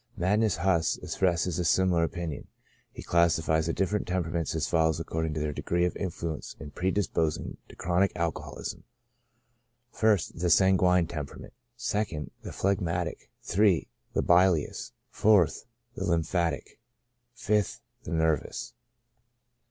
Magnus Huss expresses a similar opinion ; he classifies the different temperaments as follows, according to their degree of influence in predisposing to chronic alco holism : I St, the sanguine temperament; 2d, the phleg matic ; 3d, the bilious ; 4th, the lymphatic ; 5th, the nervous.